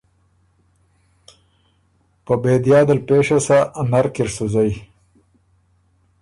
”په بېدیا دل پېشه سۀ، نر کی ر سُو زئ،